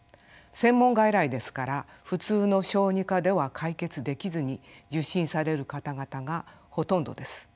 専門外来ですから普通の小児科では解決できずに受診される方々がほとんどです。